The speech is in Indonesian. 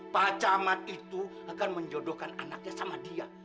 pak camat itu akan menjodohkan anaknya sama dia